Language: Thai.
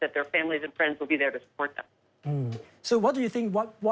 แล้วคิดว่ามีอะไรที่ช่วยอะไรแย่สู่ดักใจกลุ่มสมบูรณ์ของพวกนั้น